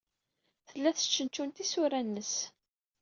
Tella testcentcun tisura-nnes.